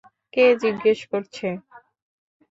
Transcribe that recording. কে জিজ্ঞেস করছে?